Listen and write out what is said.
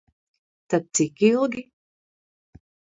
Tad cik ilgi?